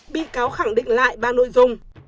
bị cáo khẳng định lại ba nội dung